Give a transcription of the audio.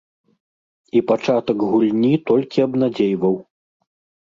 І пачатак гульні толькі абнадзейваў.